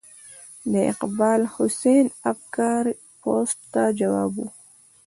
د اقبال حسین افګار پوسټ ته ځواب و.